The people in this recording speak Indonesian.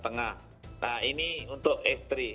nah ini untuk istri